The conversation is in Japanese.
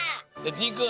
じんくん